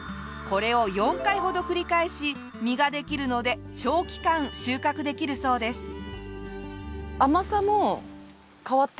これを４回ほど繰り返し実ができるので長期間収穫できるそうです。